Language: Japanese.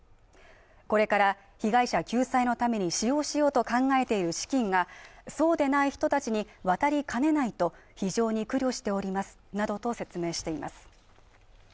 これから被害者救済のために使用しようと考えている資金がそうでない人たちにわたりかねないと非常に苦慮しておりますなどと説明しています